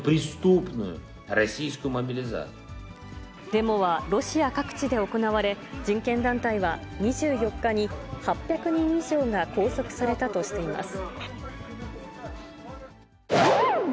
デモはロシア各地で行われ、人権団体は、２４日に８００人以上が拘束されたとしています。